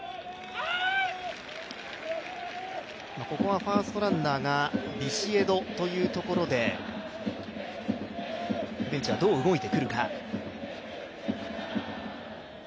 ここはファーストランナーがビシエドというところでベンチはどう動いてくるか。